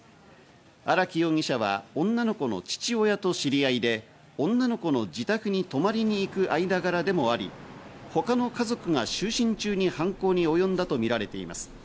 荒木容疑者は女の子の父親と知り合いで、女の子の自宅に泊まりに行く間柄でもあり、他の家族が就寝中に犯行におよんだとみられています。